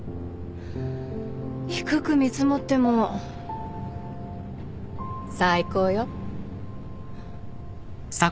低く見積もっても最高よ。